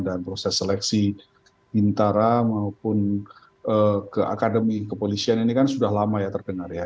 dan proses seleksi bintara maupun ke akademi kepolisian ini kan sudah lama ya terkenal ya